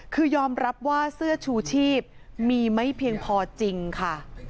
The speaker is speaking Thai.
คือยอมรับว่าเสื้อชูชีพมีไม่เพียงพอจริงค่ะ